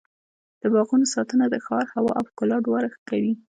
د باغونو ساتنه د ښار هوا او ښکلا دواړه ښه کوي.